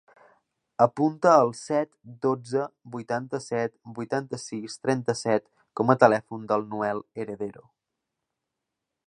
Apunta el set, dotze, vuitanta-set, vuitanta-sis, trenta-set com a telèfon del Noel Heredero.